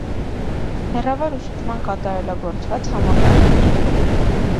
Հեռավար ուսուցման կատարելագործված համակարգեր։